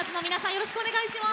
よろしくお願いします。